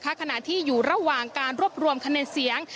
ขณะที่อยู่ระหว่างการรวบรวมคะแนนเสียง